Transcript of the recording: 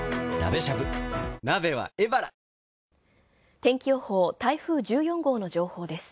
天気予報、台風１４号の情報です。